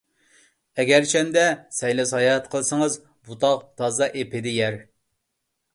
ئەگەرچەندە سەيلە - ساياھەت قىلسىڭىز، بۇ تاغ تازا ئېپىدە يەر.